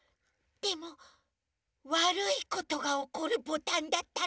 でもわるいことがおこるボタンだったらどうする？